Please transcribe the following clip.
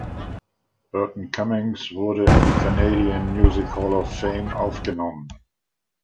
Burton Cummings wurde in die Canadian Music Hall of Fame aufgenommen.